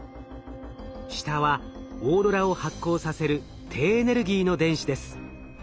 下はオーロラを発光させる低エネルギーの電子です。